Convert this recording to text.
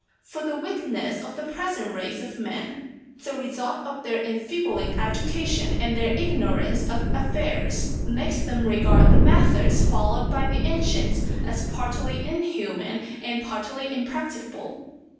For the weakness of the present race of men (the result of their enfeebling education and their ignorance of affairs), makes them regard the methods followed by the ancients as partly inhuman and partly impracticable.